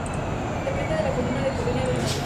Depende de la comuna de Colonia Belgrano.